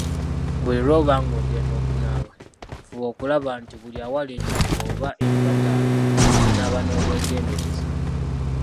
Buli lw'oba ng'ogenda okunaaba, fuba okulaba nti, buli awali ennyingo oba empataanya ozinaaba n'obwegendereza.